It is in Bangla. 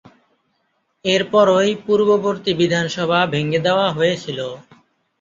এরপরই পূর্ববর্তী বিধানসভা ভেঙে দেওয়া হয়েছিল।